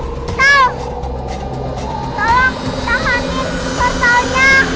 tolong tahanin portalnya